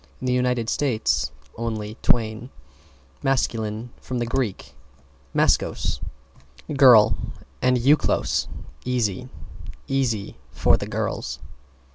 In the United States, only Twain. =MASCULINE= From Grk. maskos, girl, and eukolos, easy. Easy for the girls.